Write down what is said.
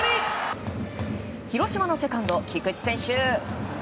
広島のセカンド、菊池選手。